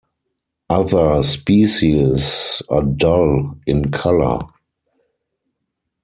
Other species are dull in colour.